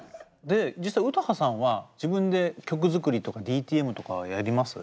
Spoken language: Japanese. で実際詩羽さんは自分で曲作りとかＤＴＭとかはやります？